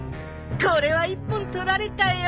これは一本取られたよ